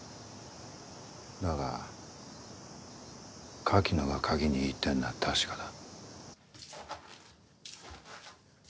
だが柿野がカギ握ってんのは確かだ。